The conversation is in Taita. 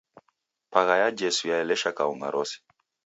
Pagha ya Jesu yaelesha kaung'a rose.